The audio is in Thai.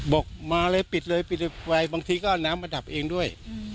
บอกมาเลยปิดเลยปิดเลยไปบางทีก็เอาน้ำมาดับเองด้วย